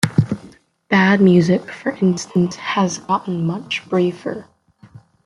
Bad music, for instance, has gotten much briefer.